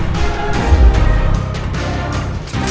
aku sudah menemukan siliwangi